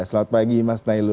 selamat pagi mas nailul